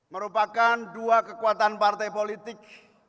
merupakan dua kekuatan partai politik